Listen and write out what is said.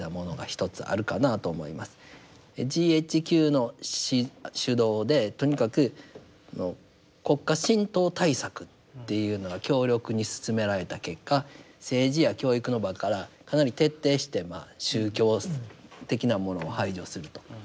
ＧＨＱの主導でとにかく国家神道対策っていうのが強力に進められた結果政治や教育の場からかなり徹底して宗教的なものを排除すると。